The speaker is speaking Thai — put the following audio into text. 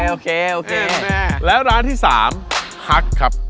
โอเคแล้วร้านที่๓ฮักครับ